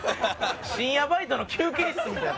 深夜バイトの休憩室みたい。